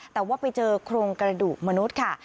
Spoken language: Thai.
แต่ว่าไปเจอโครงกระดูกมนุษย์ค่ะ